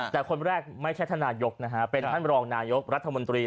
แต่คนแรกไม่ใช่ท่านนายกนะฮะเป็นท่านรองนายกรัฐมนตรี